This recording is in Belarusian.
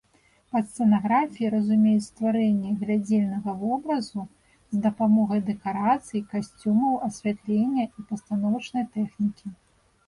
Пад сцэнаграфіяй разумеюць стварэнне глядзельнага вобразу з дапамогай дэкарацый, касцюмаў, асвятлення і пастановачнай тэхнікі.